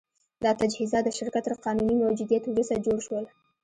دا تجهیزات د شرکت تر قانوني موجودیت وروسته جوړ شول